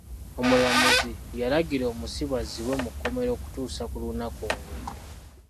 Omulamuzi yalagira omusibe azzibwe mu kkomera okutuusa ku lunaku olwo.